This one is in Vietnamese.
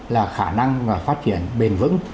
là khả năng và phát triển bền vững